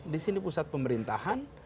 di sini pusat pemerintahan